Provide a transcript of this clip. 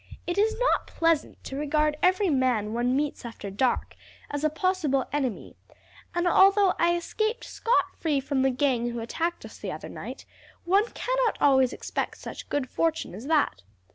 "It is not pleasant to regard every man one meets after dark as a possible enemy, and although I escaped scot free from the gang who attacked us the other night, one cannot always expect such good fortune as that.